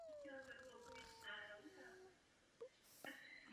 Jeho teologické vzdělání pak stojí za náboženským charakterem některých jeho děl.